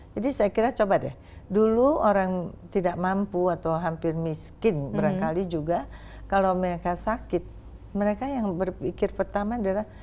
jadi saya kira coba deh dulu orang tidak mampu atau hampir miskin berkali juga kalau mereka sakit mereka yang berpikir pertama adalah